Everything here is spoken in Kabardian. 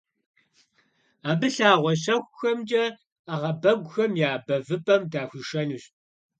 Абы лъагъуэ щэхухэмкӀэ ӏэгъэбэгухэм я бэвыпӀэм дыхуишэнущ.